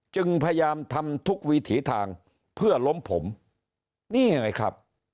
จึงพยายามทำทุกวิถีทางเพื่อล้มผมนี่ไงครับ